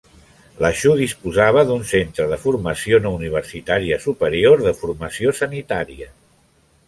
Laxou disposava d'un centre de formació no universitària superior de formació sanitària.